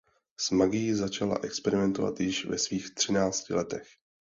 S magií začala experimentovat již ve svých třinácti letech.